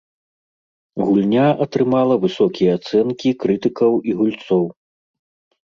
Гульня атрымала высокія ацэнкі крытыкаў і гульцоў.